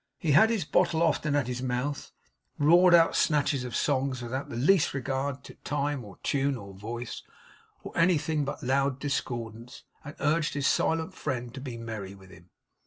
He had his bottle often at his mouth; roared out snatches of songs, without the least regard to time or tune or voice, or anything but loud discordance; and urged his silent friend to be merry with him.